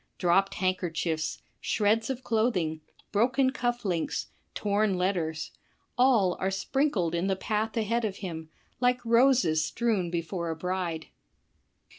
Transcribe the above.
Dropped handkerchiefs, shreds of clothing, broken cuff links, torn letters, — all are sprinkled in the path ahead of him, like roses strewn before a bride.